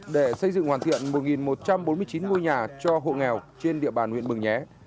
để xây dựng hoàn thiện một một trăm bốn mươi chín ngôi nhà cho hộ nghèo trên địa bàn huyện mường nhé